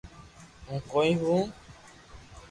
ھون ڪوئي ھووُ